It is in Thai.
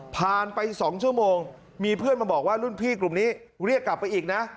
ผ่านไป๒ชั่วโมงมีเพื่อนมาบอกว่ารุ่นพี่กลุ่มนี้เรียกกลับไปอีกนะ